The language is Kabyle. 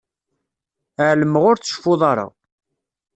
Ɛelmeɣ ur tceffuḍ ara.